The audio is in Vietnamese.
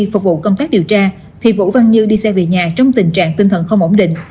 phục vụ công tác điều tra thì vũ văn như đi xe về nhà trong tình trạng tinh thần không ổn định